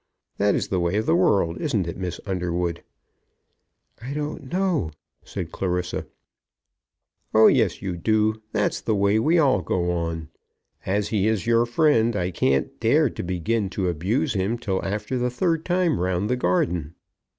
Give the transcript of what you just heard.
That is the way of the world, isn't it, Miss Underwood?" "I don't know," said Clarissa. "Oh, yes, you do. That's the way we all go on. As he is your friend, I can't dare to begin to abuse him till after the third time round the garden."